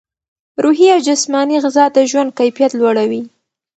روحي او جسماني غذا د ژوند کیفیت لوړوي.